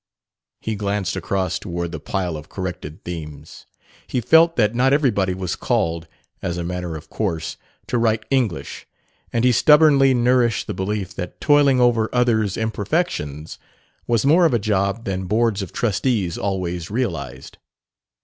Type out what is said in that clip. He glanced across toward the pile of corrected themes. He felt that not everybody was "called," as a matter of course, to write English, and he stubbornly nourished the belief that toiling over others' imperfections was more of a job than boards of trustees always realized.